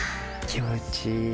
気持ちいい。